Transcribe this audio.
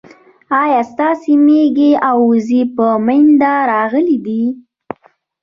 ايا ستاسي ميږي او وزې پر مينده راغلې دي